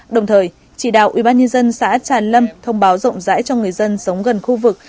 đồng thời chỉ đạo ubnd xã trà lâm thông báo rộng rãi cho người dân sống gần khu vực